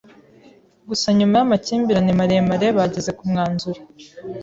Gusa nyuma yamakimbirane maremare bageze ku mwanzuro.